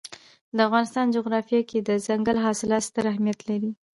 د افغانستان جغرافیه کې دځنګل حاصلات ستر اهمیت لري.